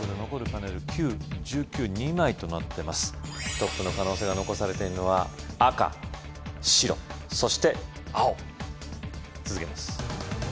トップの可能性が残されているのは赤・白そして青続けます